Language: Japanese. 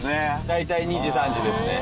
大体２時３時ですね。